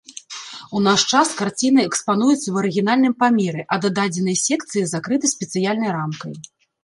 У наш час карціна экспануецца ў арыгінальным памеры, а дададзеныя секцыі закрыты спецыяльнай рамкай.